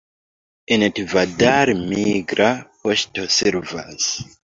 En Tivadar migra poŝto servas.